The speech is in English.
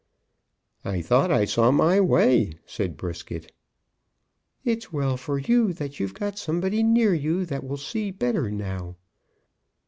"I thought I saw my way," said Brisket. "It's well for you that you've got somebody near you that will see better now.